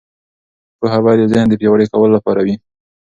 پوهه باید د ذهن د پیاوړي کولو لپاره وي.